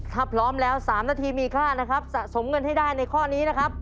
ถ้าพร้อมแล้ว๓นาทีมีค่านะครับสะสมเงินให้ได้ในข้อนี้นะครับ